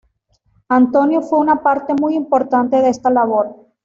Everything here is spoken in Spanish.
Antonio fue una parte muy importante de esta labor.